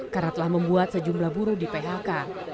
karena telah membuat sejumlah buru di phk